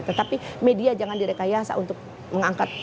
tetapi media jangan direkayasa untuk mengangkat